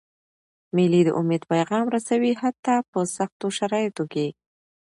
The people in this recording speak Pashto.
مېلې د امید پیغام رسوي، حتی په سختو شرایطو کي.